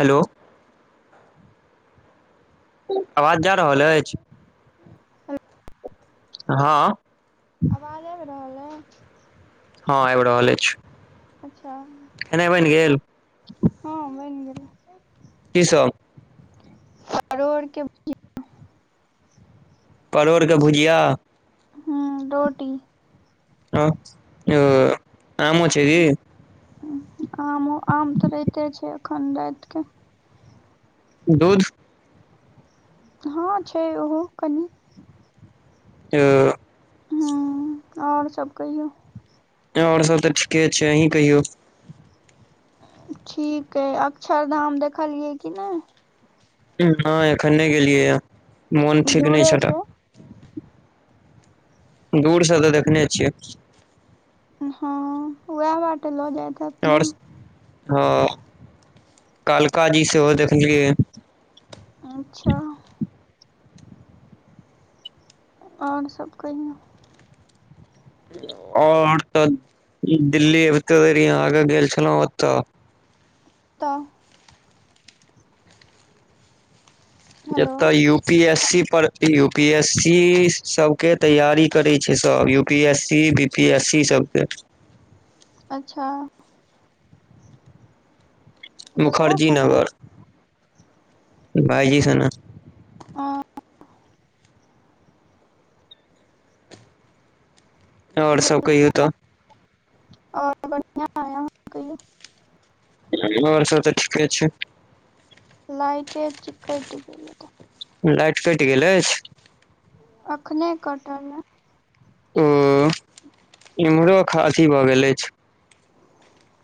Hello आवाज जा रहल अछि। हा आवास आबे रहल या हँ आबि रहल अछि। अच्छा खेनाइ बनि गेल हँ बनि गेलै कि सभ और कि परोड़ के भुजिआ हा रोटी हा ओ आमो छै। कि आमो आम तऽ राइते छै। अखन रातिक दूध हँ छै। ओहो कनि आ आओर सभ कहियौ। ओर सभ तऽ ठीके छै। अहीं कहियौ ठीक हा अक्षर धाम देखलियै कि नहि ह एखन नहि गेलियै ह मोन ठीक दूरे नहि छै। से दूर सँ तऽ देखने छियै हँ उएह बटे लऽ जाइ तऽ ओर हँ कलका जी सेहो देखलियै अच्छा आओर सब कहियौ आओर तऽ दिल्ली एबते देरी यहाँ आगे गेल छलौं ओतऽ त्तऽ हेलो जतय यू पी एस सी पर यू पी एस सी सब के तैयारी करै छै सब U P S C B P S C सबके अच्छा ककरा मुखर्जी संगे नगर भइजी सने ओं आओर सब कहियौ तऽ आओर बढ़ियां अई अहॉं कहियौ आओर सब तऽ ठीके छै लाइटे जे कटि गेल रहे लाइट कटि गेल अछि अखने कटऽ ले उं इम्हरो खांसी भऽ गेल अछि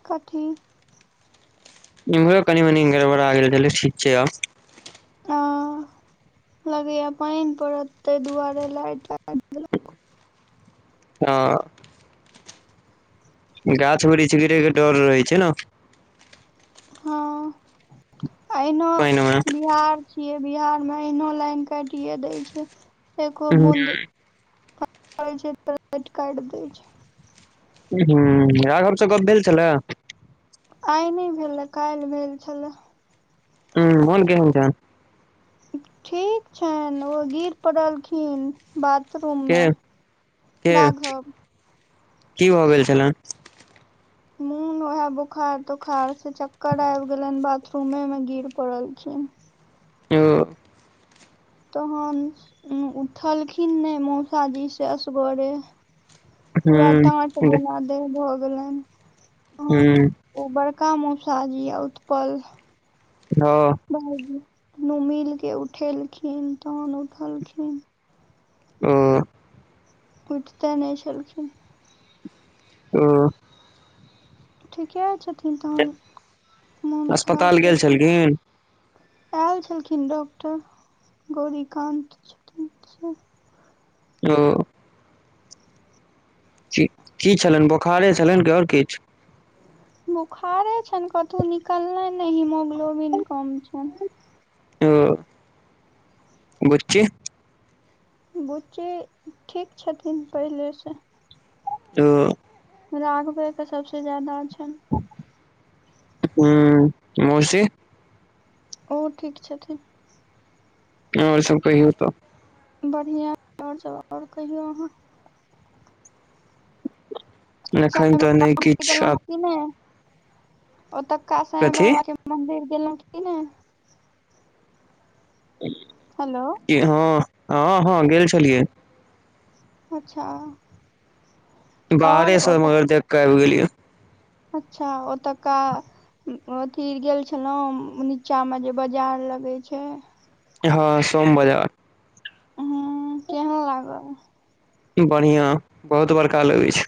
कथी इम्हरो कनि मनी गरबड़ा गेल छेलै ठीक छै आब आ लगैया पनि पड़त तै दुआरे लाइट अऽ गाछ बिरिछ गिरैके डर रहै छै न हँ अहिनो पानि मे बिहार छियै बिहार मे एहनो लाइन काटिये दै छै एको हूँ बूंद पनि परैछै तो लाइट कटि दै छै हूं राघव स गप भेल छले आइ नय भेले काल्हि भेल छलै उं मोन केहन छनि ठीक छनि ओ गिर पड़लखिन बात के के की भऽ गेल छेलनि [inaudible] वएह बोखार तोखार से चक्कर आबि गेलेनि बाथरूमे मे गिर पड़लखिन ओ तहन उठलखिन नय मौसाजी से असगरे पूरा हुँ डांट जेना देह भऽ गेलनि तहन हूं ओ बड़का मौसाजी आ उत्पल ओ दुनू मिल के उठेलखिन तहन उठलखिन उं उठते नय छलखिन उं ठीके छथिन तहन मोन खराब अस्पताल गेल हेतनि छलखिन आयल छलखिन डॉक्टर गौरीकान्त छथिन से ओ की छलनि बोखारे छलनि कि आओर किछ बुखारे छैन कतहु निकलनाइ हिमोग्लोबिन कम छैन [inaudible] बुच्ची बुच्ची ठीक छथिन पहिलेसँ ओ [unintelligible] राघबे के सबसे जा्यदा छैन [inaudible] हूँ मौसी ओहो ठीक छथिन तहन ओर सब कहिऔ तऽ बढ़िया आर सब ओर कहियौ अहाँ एखन त नइ किछ की नय ओतुका कथी साईबाके मन्दिर गेलो की नय [inaudible] हेलो की ह ह ह गेल छलियै अच्छा और बाहरेसँ ओत मगर देखकऽ आइब गेलियै अच्छा ओतऽका अथी गेल छलौ नीचा मे जे बाजार लगे छैय हाँ सोम बजार हुं केहन लागल बढ़िआ‌ बहुत बड़का लगैय छैय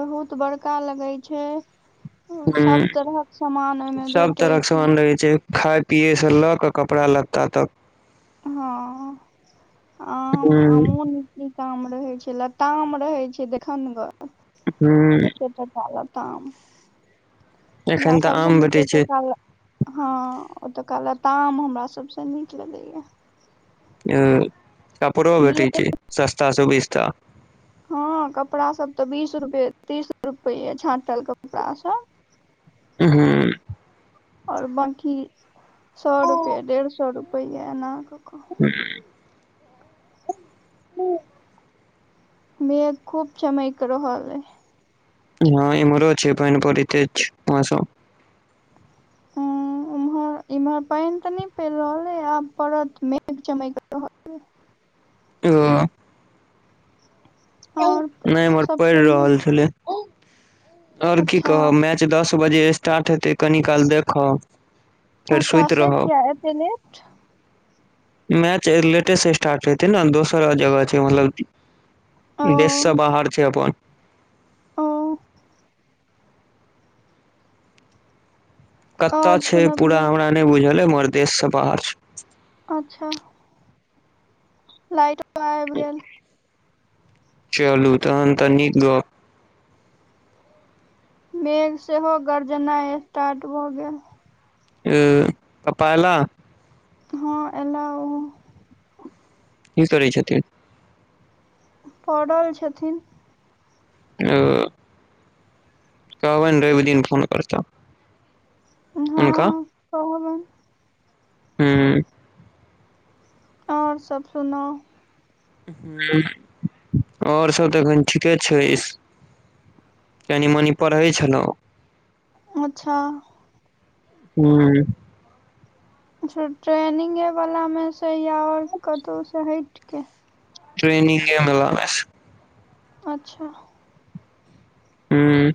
बहुत बड़का लगेय छैय ओ हुँ सभ तरहक समान ओइहमे सब तरहक भेटैत छैय सामान रहै छै खाय पिय स ल क कपड़ा लत्ता तक ह आ हुँ बड नीक नीक आम रहे छैय लताम रहे छैय देखनगर हूँ एते त टा लताम हमरा एखन तऽ सब स आम नीक भेटै छै ओतका ल ह ओतका लताम हमरा सब स नीक लगैया अ कपरो भेटैय मेघ छैय सस्ता सुबिस्ता ह कपड़ा सब त बीस रूपैय तीस रुपयै छाँटल कपड़ा सब उ हू और बांकी सौ रुपैय डेढ़ सौ रुपैय ऐना क‌अ क [inaudible] [inaudible] मेघ खूब चनैक रहलैह ऐय ह इम्हरो छैय पाइन परैत बहुत तेज और सब ह उम्हर इम्हर पायन त नय पैयर रहल एय आब पड़त मेघ चमक रहल [inaudible] और न‌इ इम्हर सब पैयर कहियौ रहल छलै और की अच्छा कहब मैच दस बजे स्टार्ट हेतै कनी काल देखब फेर अच्छा सुति से रहब किएक एते लेट मैच लेटेस स्टार्ट हेतै ने दोसर जगह छैय मतलब ओ देश सँ बाहर छैय अप्पन ओ कत‌अ और छैय पूरा सुनबियौ हमरा नहि बुझल ऐय मगर देश स बाहर छैय अच्छा लाइट आयब गेल चलू तहन तऽ नीक गप मेघ सेहो गरजनाई स्टार्ट भ गेल आ पप्पा आइला ह ऐला ओ की करैय छथिन। परल छथिन। ओ कहबै ने रवि दिन फोन करता हा हुनका कहूँ न हू आओर सभी सुनाउ आओर सभ तऽ एखन ठीके छै। कनि मनि पढ़ै छलहुँ अच्छा हूँ ट्रेनिंगे वला में सऽ या आओर कतहु से हटिक ट्रेनिंगे वला में सऽ अच्छा हूँ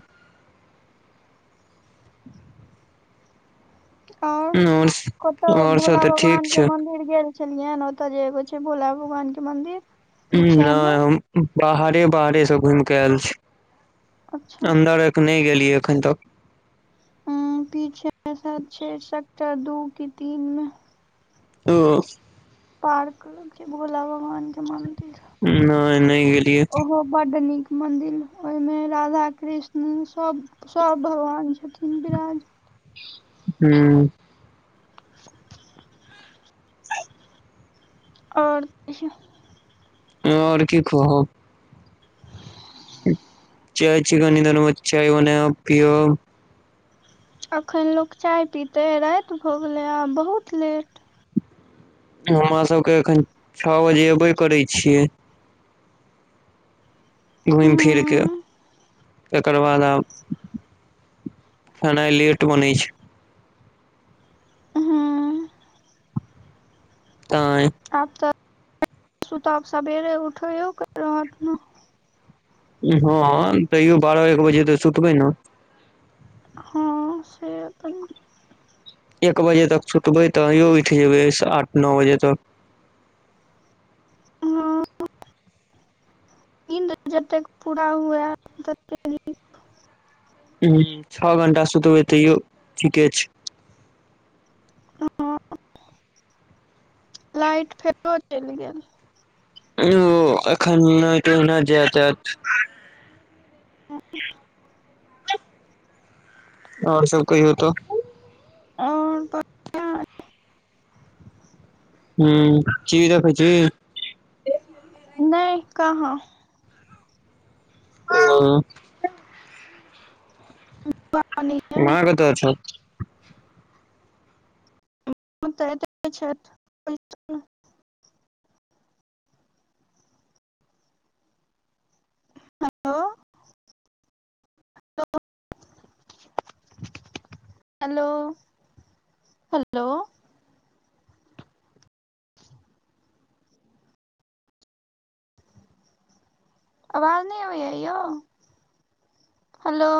आओर और कतहु और सब भोला तऽ ठीक भगवान छै केँ मंदिर गेल छललियै ओतय जे एगो छै। भोला भगवान के मंदिर पीछे नहि मे हम बाहरे बाहरे सँ घूम के आयल छी अच्छा अन्दर नहि गेलियै एखन तक उ पीछे सात छै। सेक्टर दू की तीन में ओ पार्क के भोला बाबा के मंत्र नहि नहि गेलियै बड्ड नीक मंदिर ओहि में राधा कृष्ण सभ सभ भगवान छथिन। बिराज हूँ [inaudible] ओर ओर की कहू चाय चिकन में चाय बनयब और पियब अखन लोक चाय पीतै राति भऽ गेलै आब बहुत लेट हमरा सभ के एखन छ बजे अयबे करै छियै घूमि फिर कऽ हम्म तकर बाद आब ह नहि लेट बनै छै। हूँ ताई आब तऽ [unintelligible] सुतब सवेर उठौ [unintelligible] लिहान तैयो बारह एक बजे तऽ सुतबै न हँ से तऽ एक बजे तक सुतबै तैयो उइठ जेबै आठ नओ बजे तक हां नींद जतै पुरा हुए [unintelligible] हु छओ घंटा सुतबै तैयो ठीके छै [unintelligible] लाइट फेरो चैल गेल यौ एखन लाइट ओहना जैत ऐत [unintelligible] और सब कहियो तऽ और बढ़िया [unintelligible] हु कि देखै छी नै कहाँ [unintelligible] माँ क तऽ छौ उऽतऽ एते छैथ हेलो [unintelligible] हेलो [inaudible] हेलो [unintelligible] अवाज नै आबैय यौ [inaudible] हेलो